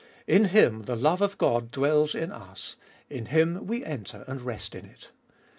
In Him the love of God dwells in us ; in Him we enter and rest in it.